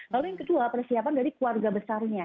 lalu yang kedua persiapan dari keluarga besarnya